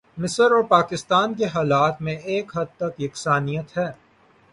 مصر اور پاکستان کے حالات میں ایک حد تک یکسانیت ہے۔